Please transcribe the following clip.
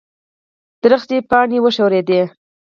ونې پاڼې وښورېدې.